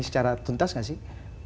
secara tuntas nggak sih